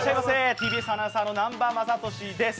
ＴＢＳアナウンサーの南波雅俊です。